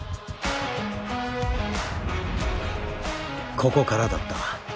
ここからだった。